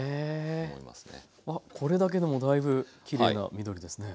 あっこれだけでもだいぶきれいな緑ですね。